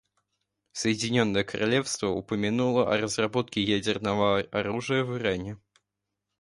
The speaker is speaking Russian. Соединенное Королевство упомянуло о разработке ядерного оружия в Иране.